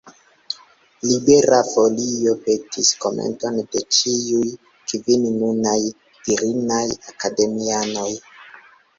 Libera Folio petis komenton de ĉiuj kvin nunaj virinaj akademianoj.